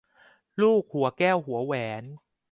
ลูกหัวแก้วหัวแหวน